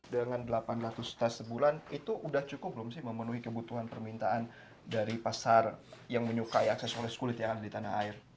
dengan delapan ratus tas sebulan itu sudah cukup belum sih memenuhi kebutuhan permintaan dari pasar yang menyukai aksesoris kulit yang ada di tanah air